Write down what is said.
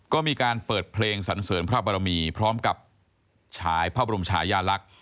ก็มีการเปิดเพลงสันเสริญพระบรมีพร้อมกับฉายพระบรมชายาลักษณ์